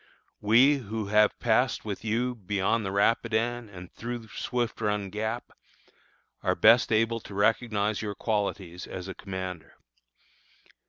We, who have passed with you beyond the Rapidan and through Swift Run Gap, are best able to recognize your qualities as a commander.